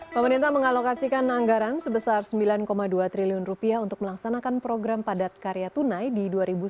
pemerintah mengalokasikan anggaran sebesar rp sembilan dua triliun untuk melaksanakan program padat karya tunai di dua ribu sembilan belas